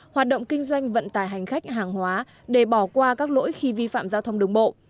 hoạt động kinh doanh vận tài hành khách hàng hóa để bỏ qua các lỗi khi vi phạm giao thông đường bộ